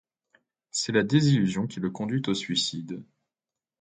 C'est la désillusion qui le conduit au suicide.